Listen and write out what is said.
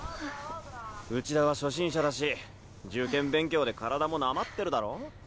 内田は初心者だし受験勉強で体もなまってるだろ？